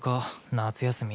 夏休み。